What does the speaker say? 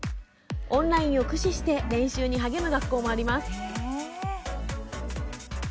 オンラインを駆使して練習に励む学校もあります。